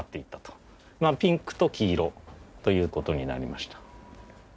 ピンクと黄色という事になりました。